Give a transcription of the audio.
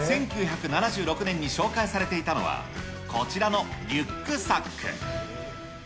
１９７６年に紹介されていたのは、こちらのリュックサック。